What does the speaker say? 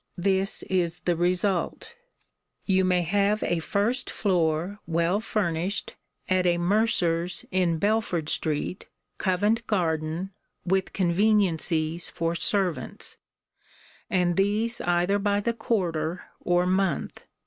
This is the result. You may have a first floor, well furnished, at a mercer's in Belford street, Covent garden, with conveniencies for servants: and these either by the quarter or month.